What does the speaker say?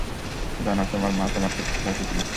জানো, তোমার মা তোমার চেয়ে বেশি সাহসী ছিল।